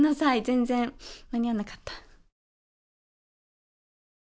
全然間に合わなかった。